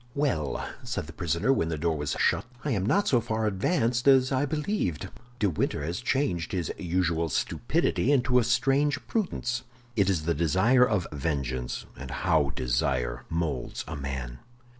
"Well," said the prisoner, when the door was shut, "I am not so far advanced as I believed. De Winter has changed his usual stupidity into a strange prudence. It is the desire of vengeance, and how desire molds a man!